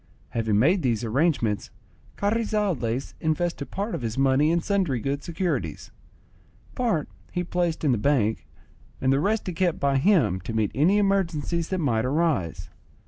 Having made these arrangements, Carrizales invested part of his money in sundry good securities; part he placed in the bank, and the rest he kept by him to meet any emergencies that might arise.